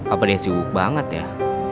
apa deh sibuk banget ya